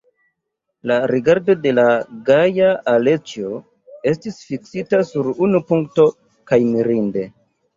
La rigardo de la gaja Aleĉjo estis fiksita sur unu punkto, kaj mirinde!